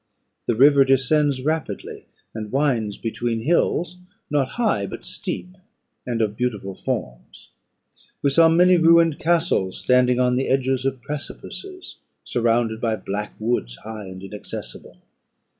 The river descends rapidly, and winds between hills, not high, but steep, and of beautiful forms. We saw many ruined castles standing on the edges of precipices, surrounded by black woods, high and inaccessible.